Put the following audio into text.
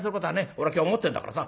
俺今日持ってんだからさ。